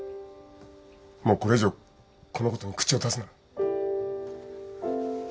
もうこれ以上このことに口を出すな。